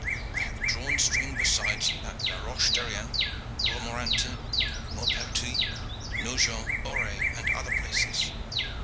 I have drawn string besides you at La Roche d'Errien, Romorantin, Maupertuis, Nogent, Auray, and other places."